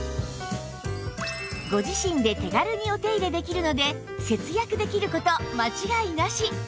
ご自身で手軽にお手入れできるので節約できる事間違いなし